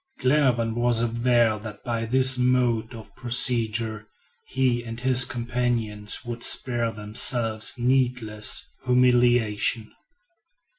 Glenarvan was aware that by this mode of procedure, he and his companions would spare themselves needless humiliation.